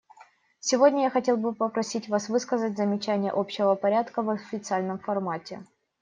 Сегодня я хотел бы просить вас высказать замечания общего порядка в официальном формате.